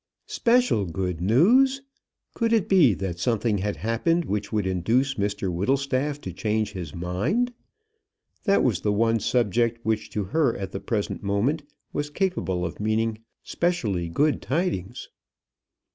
"Special good news!" Could it be that something had happened which would induce Mr Whittlestaff to change his mind. That was the one subject which to her, at the present moment, was capable of meaning specially good tidings.